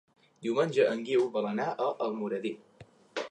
Diumenge en Guiu vol anar a Almoradí.